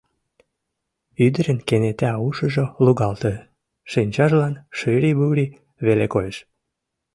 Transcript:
Ӱдырын кенета ушыжо лугалте, шинчажлан шыри-вури веле коеш.